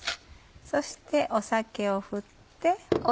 そして酒を振って。